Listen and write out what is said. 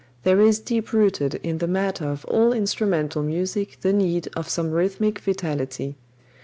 There is deep rooted in the matter of all instrumental music the need of some rhythmic vitality.